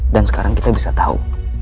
dan sekarang kita bisa tau